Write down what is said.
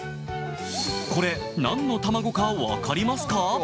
これ何の卵か分かりますか？